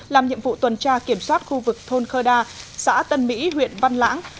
làm nhiệm vụ tuần tra kiểm soát khu vực thôn khơ đa xã tân mỹ huyện văn lãng